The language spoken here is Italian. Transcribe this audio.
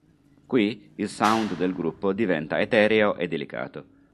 Qui, il sound del gruppo diventa etereo e delicato.